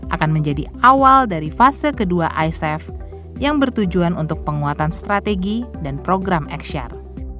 akan menjadi awal dari fase kedua icf yang bertujuan untuk penguatan strategi dan program excher